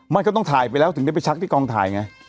มันก็ต้องถ่ายไปแล้วถึงได้ไปชักที่กองถ่ายไง